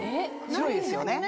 白いですよね。